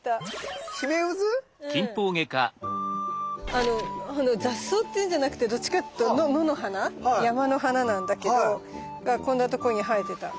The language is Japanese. あの雑草っていうんじゃなくてどっちかっていうと野の花山の花なんだけどこんな所に生えてた。